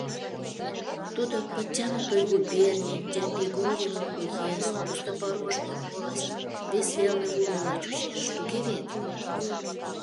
— Тудо Подтянутый губерний, Терпигорево уезд, Пустопорожный волость вес велне улмыла чучеш, туге вет?